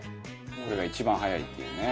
これが一番早いっていうね。